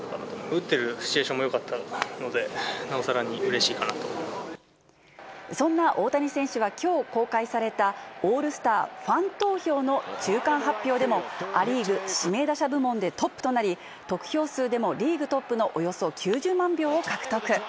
打ってるシチュエーションもよかったので、なおさらにうれしいかそんな大谷選手は、きょう公開されたオールスターファン投票の中間発表でも、ア・リーグ指名打者部門でトップとなり、得票数でもリーグトップのおよそ９０万票を獲得。